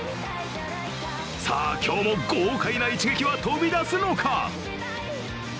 さあ、今日も豪快な一撃は飛びだすのか。